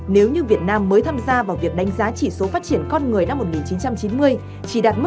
nếu như việt nam mới tham gia vào việc đánh giá chỉ số phát triển con người năm một nghìn chín trăm chín mươi